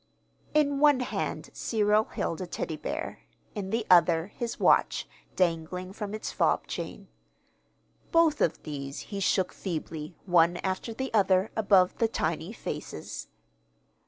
In one hand Cyril held a Teddy bear, in the other his watch, dangling from its fob chain. Both of these he shook feebly, one after the other, above the tiny faces.